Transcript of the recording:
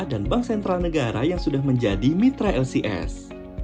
dan juga bank yang sudah menjadi mitra lcs